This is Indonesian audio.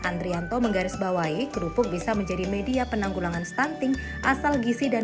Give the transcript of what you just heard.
amrianto menggaris bawahnya dan mencari jelanta yang lebih baik dari udang yang lebih baik dari udang